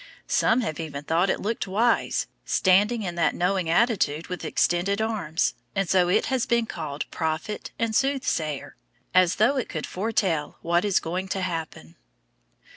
Some have even thought it looked wise, standing in that knowing attitude with extended arms, and so it has been called prophet and soothsayer, as though it could foretell what is going to happen.